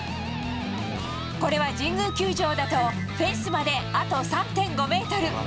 これは神宮球場だと、フェンスまであと３．５メートル。